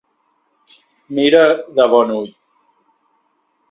Mira de bon ull.